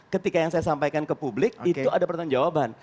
ketika yang saya sampaikan ke publik itu ada pertanyaan jawaban